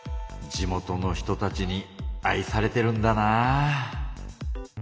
地元の人たちに愛されてるんだなぁ。